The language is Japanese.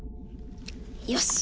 よし！